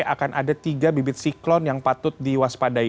akan ada tiga bibit siklon yang patut diwaspadai